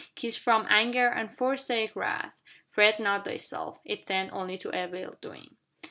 Cease from, anger, and forsake wrath: Fret not thyself; it tendeth only to evil doing.